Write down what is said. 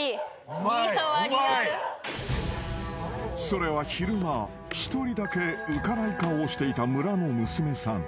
［それは昼間一人だけ浮かない顔をしていた村の娘さん］